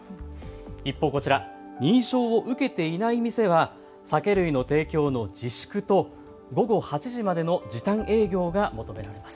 一方、こちら、認証を受けていない店は酒類の提供の自粛と午後８時までの時短営業が求められます。